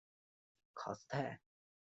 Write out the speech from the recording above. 卡斯泰。